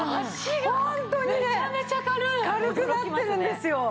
ホントにね軽くなってるんですよ。